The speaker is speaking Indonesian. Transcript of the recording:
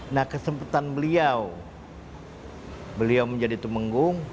nah kesempatan beliau beliau menjadi tumenggung